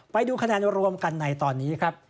ไปดูคะแนนรวมกันในตอนนี้ครับ